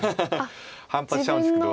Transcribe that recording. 反発しちゃうんですけど。